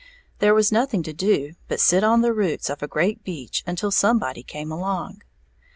There was nothing to do but sit on the roots of a great beech until somebody came along.